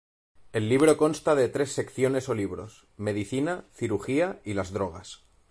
El libro consta de tres secciones o libros: Medicina, Cirugía, y las drogas.